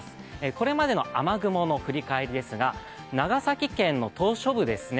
これまでの雨雲の振り返りですが長崎県の島しょ部ですね